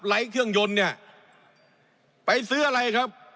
เครื่องยนต์เนี่ยไปซื้ออะไรครับ